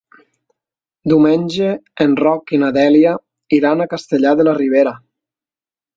Diumenge en Roc i na Dèlia iran a Castellar de la Ribera.